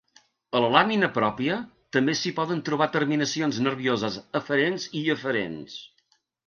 A la làmina pròpia també s'hi poden trobar terminacions nervioses aferents i eferents.